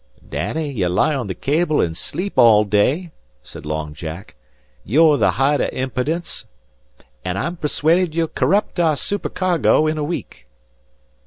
"Danny, ye lie on the cable an' sleep all day," said Long Jack. "You're the hoight av impidence, an' I'm persuaded ye'll corrupt our supercargo in a week."